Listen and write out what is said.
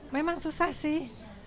memang susah sih